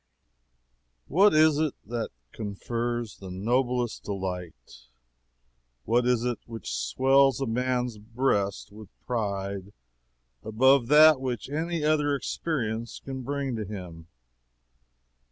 What is it that confers the noblest delight? What is that which swells a man's breast with pride above that which any other experience can bring to him?